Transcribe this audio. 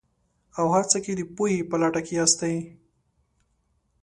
او هر څه کې د پوهې په لټه کې ياستئ.